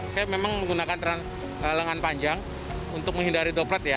saya memang menggunakan lengan panjang untuk menghindari droplet ya